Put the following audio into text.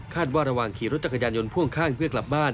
ว่าระหว่างขี่รถจักรยานยนต์พ่วงข้างเพื่อกลับบ้าน